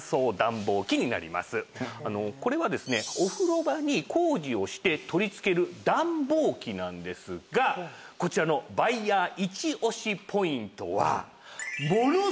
これはですねお風呂場に工事をして取り付ける暖房機なんですがこちらのバイヤーイチオシポイントは。